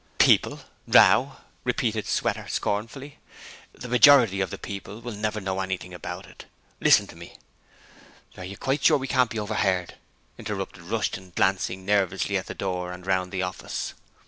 'PEOPLE! ROW!' replied Sweater, scornfully. 'The majority of the people will never know anything about it! Listen to me ' 'Are you quite sure as we can't be over'eard?' interrupted Rushton, glancing nervously at the door and round the office.